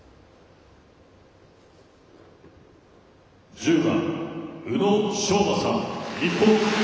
１０番宇野昌磨さん、日本。